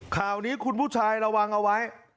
ข่าวนี้คุณผู้ชายระวังเอาไว้